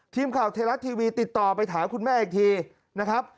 ทีมข่าวไทยรัฐทีวีติดต่อไปถามคุณแม่อีกทีนะครับ